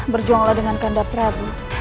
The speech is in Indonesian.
berjuanglah dengan kanda prabu